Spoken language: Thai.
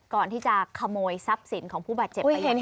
ก่อนที่จะขโมยทรัพย์สินของผู้บาดเจ็บไปอย่างนี้